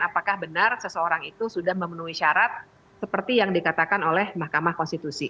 apakah benar seseorang itu sudah memenuhi syarat seperti yang dikatakan oleh mahkamah konstitusi